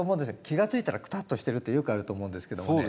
気が付いたらクタッとしてるってよくあると思うんですけどもね。